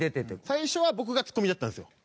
最初は僕がツッコミだったんですよ。